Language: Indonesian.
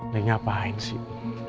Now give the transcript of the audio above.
nih ngapain sih